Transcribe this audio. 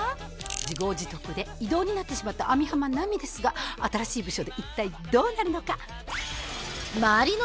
自業自得で異動になってしまった網浜奈美ですが新しい部署で一体どうなるのか？